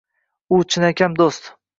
U – chinakam do’st.